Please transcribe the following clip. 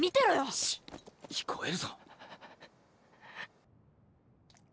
シッ聞こえるぞ。